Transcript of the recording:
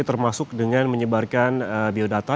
termasuk dengan menyebarkan biodata